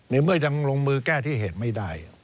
ในเมื่อยังลงมือแก้ที่เหตุไม่ได้